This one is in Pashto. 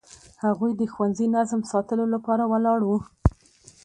هغوی د ښوونځي نظم ساتلو لپاره ولاړ وو.